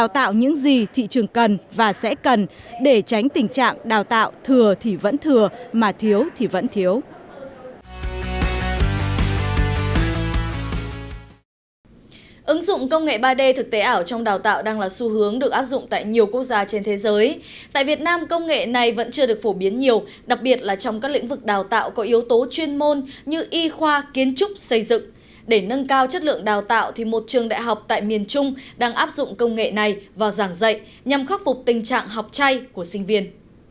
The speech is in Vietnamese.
trong lĩnh vực đào tạo một trường đại học tại miền trung đang áp dụng công nghệ này vào giảng dạy nhằm khắc phục tình trạng học chay của sinh viên